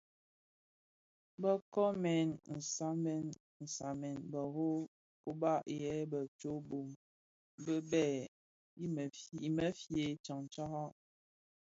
Bë nkoomèn nnabsèn nabsèn bero kōba yè bë tsōō bōō bi bhee i mefye tsaň tsaňraň.